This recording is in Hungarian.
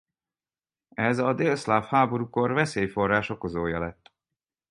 Ez az délszláv háborúkor veszélyforrás okozója lett.